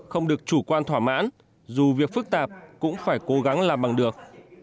không được chủ quan thỏa mãn dù việc phức tạp cũng phải cố gắng làm bằng được